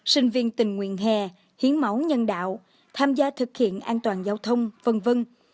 sinh viên tình nguyện hè hiến máu nhân đạo tham gia thực hiện an toàn giao thông v v